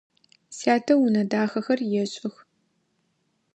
Сятэ унэ дахэхэр ешӏых.